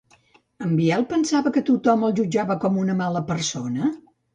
En Biel pensava que tothom el jutjava com una mala persona?